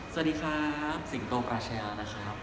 สวัสดีครับสิงโตปราชายานะครับ